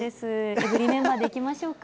エブリィメンバーで行きましょうか。